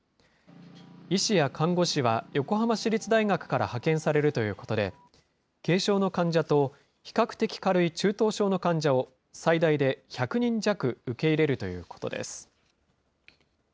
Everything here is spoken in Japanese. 医師や看護師は横浜市立大学から派遣されるということで、軽症の患者と比較的軽い中等症の患者を、最大で１００人弱受け入れるということです。